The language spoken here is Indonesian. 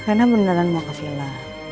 karena beneran mau ke vila